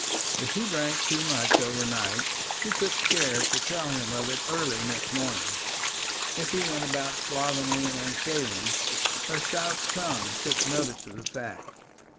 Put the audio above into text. If he drank too much overnight, she took care to tell him of it early next morning. If he went about slovenly and unshaven, her sharp tongue took notice of the fact.